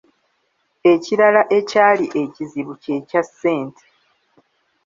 Ekirala ekyali ekizibu kye kya ssente.